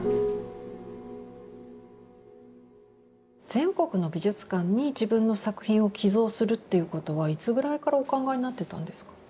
全国の美術館に自分の作品を寄贈するっていうことはいつぐらいからお考えになってたんですか？